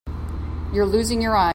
You're losing your eye.